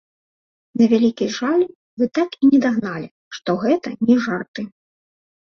На вялікі жаль, вы так і не дагналі, што гэта не жарты!